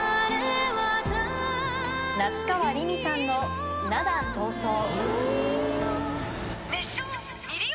夏川りみさんの涙そうそう。